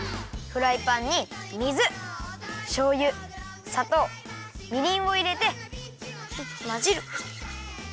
フライパンに水しょうゆさとうみりんをいれてまぜる！